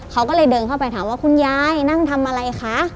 เขาก็เลยเดินเข้าไปถามว่าคุณยายนั่งทำอะไรคะ